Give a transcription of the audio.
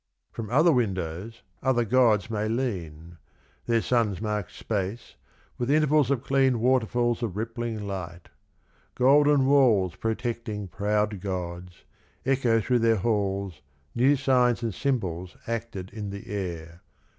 From other windows, other gods may lean, Their sons mark space with intervals of clean Waterfalls of rippling light, golden walls Protecting proud gods, echo through their halls New signs and symbols acted in the air.